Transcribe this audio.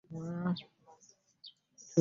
Anti baal balowooza nti mulunji .